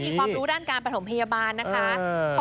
มีความรู้ด้านการประถมพยาบาลนะคะ